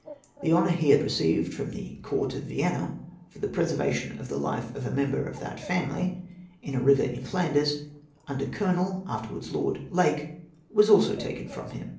Tbe bonour be had received from tbe Court of Vienna, for the preserva tion of the life of a member of that family (in a river in Flanders) under Colonel, afterwards Lord, Lake, was also taken from him